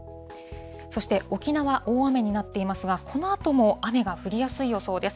そして沖縄、大雨になっていますが、このあとも雨が降りやすい予想です。